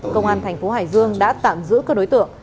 công an thành phố hải dương đã tạm giữ các đối tượng